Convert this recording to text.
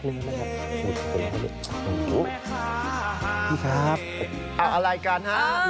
คุณครูสวัสดีครับ